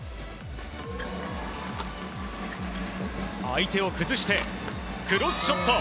相手を崩してクロスショット。